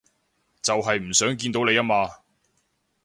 就係唔想見到你吖嘛